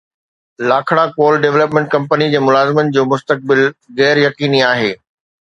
Lakhra coal development company جي ملازمن جو مستقبل غير يقيني آهي